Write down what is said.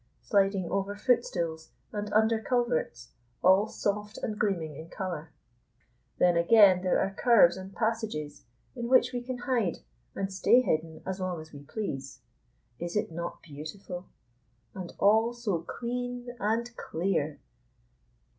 Sliding over footstools, and under culverts, all soft and gleaming in color. Then again there are curves and passages in which we can hide and stay hidden as long as we please. Is it not beautiful? And all so clean and clear!